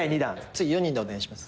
次４人でお願いします。